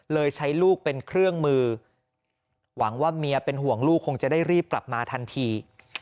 ใช้ลูกเป็นเครื่องมือหวังว่าเมียเป็นห่วงลูกคงจะได้รีบกลับมาทันที